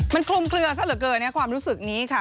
มันคลุมเคลือซะเหลือเกินในความรู้สึกนี้ค่ะ